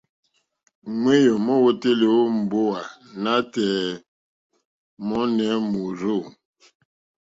Ŋwéyò mówǒtélì ó mbówà nǎtɛ̀ɛ̀ mɔ́nɛ̌ mórzô.